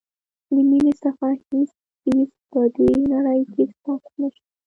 له مینې څخه هیڅ څیز په دې نړۍ کې سخت نشته.